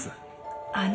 あの。